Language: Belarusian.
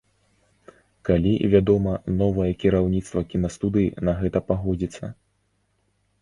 Калі, вядома, новае кіраўніцтва кінастудыі на гэта пагодзіцца.